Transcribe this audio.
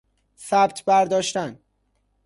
ثبت بر داشتن